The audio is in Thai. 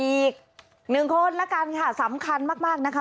อีกหนึ่งคนละกันค่ะสำคัญมากนะคะ